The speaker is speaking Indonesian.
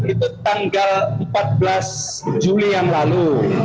itu tanggal empat belas juli yang lalu